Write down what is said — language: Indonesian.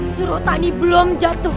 surotani belum jatuh